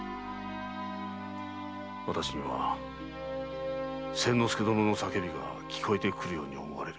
わたしには千之助殿の叫びが聞こえてくるように思われる。